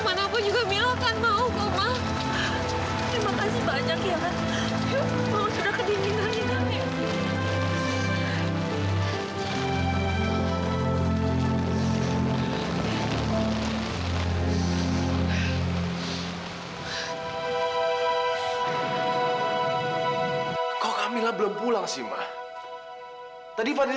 yang pasti aku nggak mungkin punya hubungan sama fadil